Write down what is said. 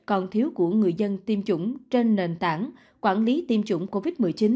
còn thiếu của người dân tiêm chủng trên nền tảng quản lý tiêm chủng covid một mươi chín